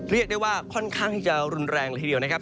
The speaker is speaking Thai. เรียกได้ว่าค่อนข้างจะรุนแรงละทีเดียวนะครับ